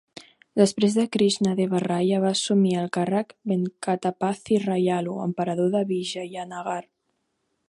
Després de Krishna Deva Raya, va assumir el càrrec Venkatapathi Rayalu, Emperador de Vijayanagar.